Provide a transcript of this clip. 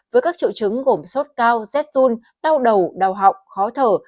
với các trợ chứng gồm sốt cao rét run đau đầu đau họng khó thở